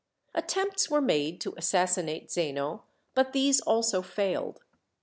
Attempts were made to assassinate Zeno, but these also failed.